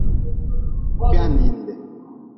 Kwihaninde.